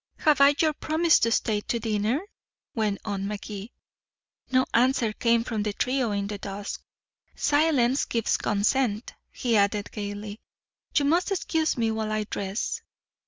"Have I your promise to stay to dinner?" went on Magee. No answer came from the trio in the dusk. "Silence gives consent," he added gaily. "You must excuse me while I dress.